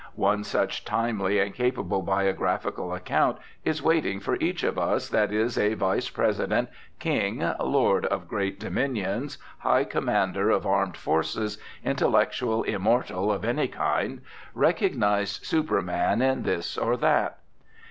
One such timely and capable biographical account is waiting for each of us that is a Vice President, King, lord of great dominions, high commander of armed forces, intellectual immortal of any kind, recognised superman in this or that.